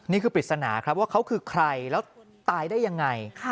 ปริศนาครับว่าเขาคือใครแล้วตายได้ยังไง